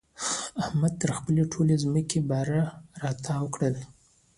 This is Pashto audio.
احمد تر خپلې ټولې ځمکې باره را تاو کړله.